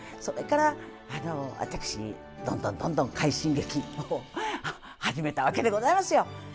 それから私どんどんどんどん快進撃を始めたわけでございますよ。